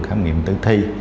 khám nghiệm tử thi